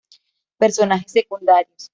Personajes secundarios